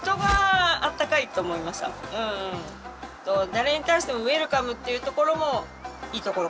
誰に対してもウエルカムっていうところもいいところかなって。